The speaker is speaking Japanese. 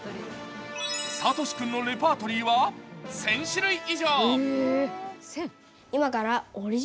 聡志君のレパートリーは１０００種類以上。